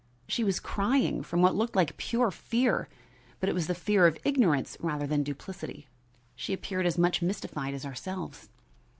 She was crying, from what looked like pure fear; but it was the fear of ignorance rather than duplicity; she appeared as much mystified as ourselves.